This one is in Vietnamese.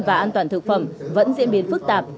và an toàn thực phẩm vẫn diễn biến phức tạp